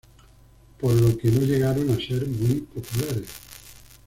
Por lo que no llegaron a ser muy populares.